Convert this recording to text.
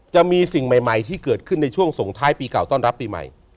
จะมีสิ่งใหม่ที่เกิดขึ้นในช่วงส่งท้ายปีเก่าต้อนรับปีใหม่